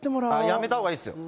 やめた方がいいっすよ